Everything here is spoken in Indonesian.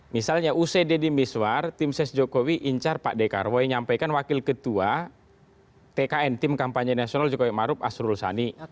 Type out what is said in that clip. misalnya uc deddy miswar tim ses jokowi incar pak dekarwo yang nyampaikan wakil ketua tkn tim kampanye nasional jokowi maruf asrul sani